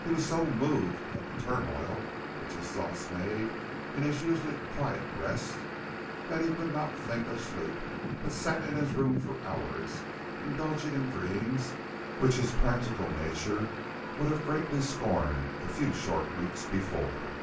He was so moved at the turmoil which his thoughts made in his usually quiet breast, that he could not think of sleep, but sat in his room for hours indulging in dreams which his practical nature would have greatly scorned a few short weeks before.